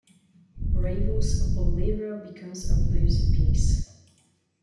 Ravel's "Bolero" becomes a bluesy piece.